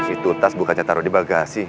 itu tas bukannya taruh di bagasi